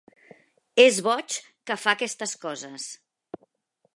És boig, que fa aquestes coses.